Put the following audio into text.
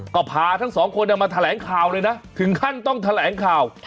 ก็พาทั้งสองคนมาแถลงข่าวเลยนะถึงขั้นต้องแถลงข่าว